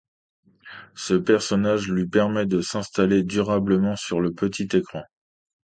Ce personnage lui permet de s'installer durablement sur le petit écran.